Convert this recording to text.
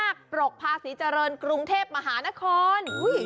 สายพญานาคปรกภาษิเจริญกรุงเทพมหานคร